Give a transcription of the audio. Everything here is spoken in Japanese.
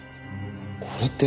これって。